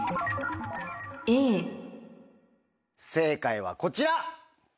正解はこちら。